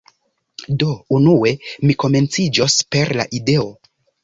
Do, unue mi komenciĝos per la ideo